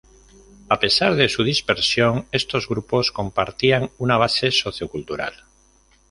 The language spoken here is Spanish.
A pesar de su dispersión, estos grupos compartían una base socio cultural.